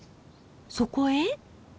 そこへ。